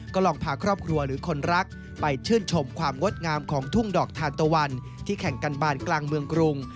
ก็ลองพาครอบครัวหรือคนรักไปชื่นชมความงดงามของทุ่งดอกทานตะวันที่แข่งกันบานกลางเมืองกรุง